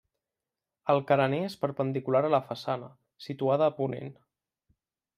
El carener és perpendicular a la façana, situada a ponent.